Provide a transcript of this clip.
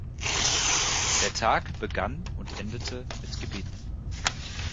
Der Tag begann und endete mit Gebeten.